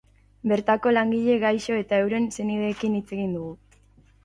Bertako langile, gaixo eta euren senideekin hitz egin dugu.